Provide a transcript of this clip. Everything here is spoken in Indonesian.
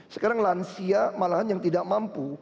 sekarang lansia malahan yang tidak mampu